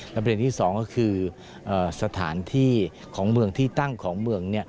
และเนื้อที่สองก็คือสถานที่ของเมืองที่ตั้งของเมือง